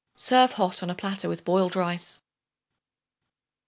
Serve hot on a platter with boiled rice.